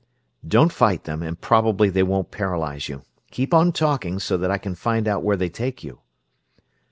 "Don't fight them and probably they won't paralyze you. Keep on talking, so that I can find out where they take you."